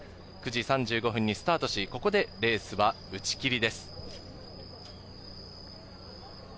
９時３５分にスタートし、ここでレースは打ち切りです。